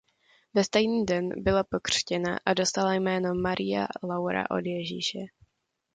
Ve stejný den byla pokřtěna a dostala jméno María Laura od Ježíše.